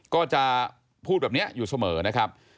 ก็จะพูดแบบนี้อยู่เสมอนะครับ